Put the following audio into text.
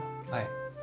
はい。